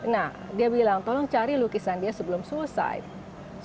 nah dia bilang tolong cari lukisan dia sebelum selesai